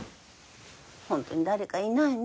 ホントに誰かいないの？